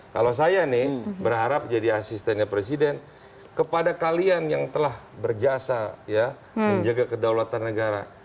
kalau saya nih berharap jadi asistennya presiden kepada kalian yang telah berjasa menjaga kedaulatan negara